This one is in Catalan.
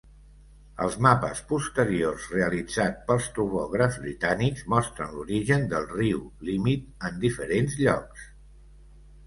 Els mapes posteriors realitzats pels topògrafs britànics mostren l'origen del riu límit en diferents llocs.